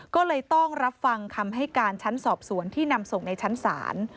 ก็เลยต้องรับฟังคำให้การชั้นสอบสวนที่นำส่งในชั้นศาล